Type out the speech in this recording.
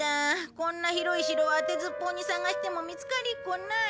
こんな広い城当てずっぽうに捜しても見つかりっこない。